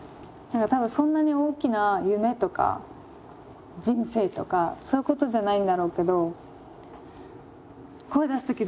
何か多分そんなに大きな夢とか人生とかそういうことじゃないんだろうけど声出す